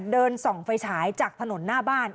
เดินส่องไฟฉายจากถนนหน้าบ้าน